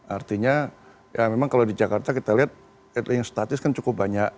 artinya ya memang kalau di jakarta kita lihat at least status kan cukup banyak